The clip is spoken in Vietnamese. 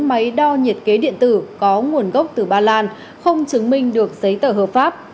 năm máy đo nhiệt kế điện tử có nguồn gốc từ ba lan không chứng minh được giấy tờ hợp pháp